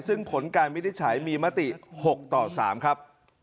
ซึ่งผลการวินิจฉัยมีมติ๖ต่อ๓ครับ